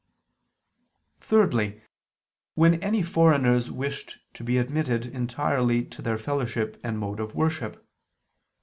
Thirdly, when any foreigners wished to be admitted entirely to their fellowship and mode of worship.